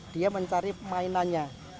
dia mencari mainannya